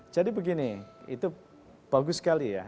jadi begini itu bagus sekali ya